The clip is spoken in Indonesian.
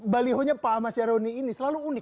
baliho nya pak ahmad syaroni ini selalu unik